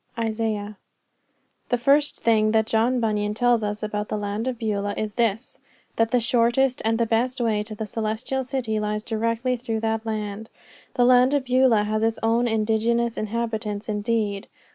Isaiah. The first thing that John Bunyan tells us about the land of Beulah is this that the shortest and the best way to the Celestial City lies directly through that land. The land of Beulah has its own indigenous inhabitants indeed.